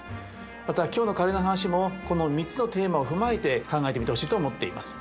また今日のカレーの話もこの３つのテーマを踏まえて考えてみてほしいと思っています。